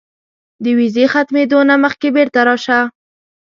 د ویزې ختمېدو نه مخکې بیرته راشه.